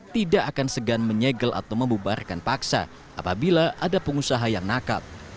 tidak akan segan menyegel atau membubarkan paksa apabila ada pengusaha yang nakal